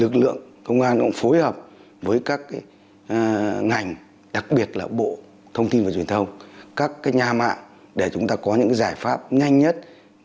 các ngành đặc biệt là bộ thông tin và truyền thông các nhà mạng để chúng ta có những giải pháp nhanh nhất